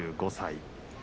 ２５歳。